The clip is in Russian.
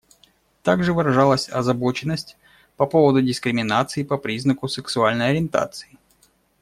Также выражалась озабоченность по поводу дискриминации по признаку сексуальной ориентации.